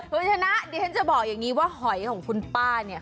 มุจฉณะตอนนี้ฉันจะบอกว่าหอยของคุณป้าเนี่ย